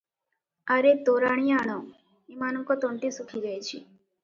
ଆରେ ତୋରାଣି ଆଣ, ଏମାନଙ୍କ ତଣ୍ଟି ଶୁଖିଯାଇଛି ।